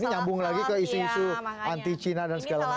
ini nyambung lagi ke isu isu anti cina dan segala macam